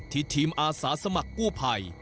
ทีมอาสาสมัครกู้ภัย